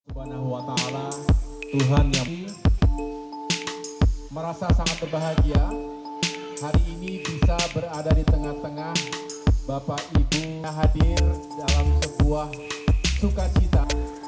tuhan yang merasa sangat berbahagia hari ini bisa berada di tengah tengah bapak ibu yang hadir dalam sebuah sukacita